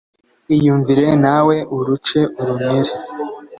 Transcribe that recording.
iyumvire nawe uruce urumire